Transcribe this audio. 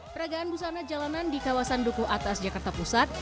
peragaan busana jalanan di kawasan duku atas jakarta pusat